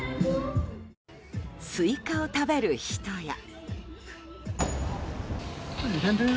スイカを食べる人や。